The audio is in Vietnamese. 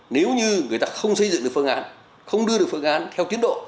nếu như người ta không xây dựng được phương án không đưa được phương án theo tiến độ